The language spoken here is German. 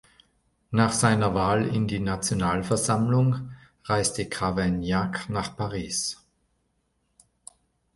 Nach seiner Wahl in die Nationalversammlung reiste Cavaignac nach Paris.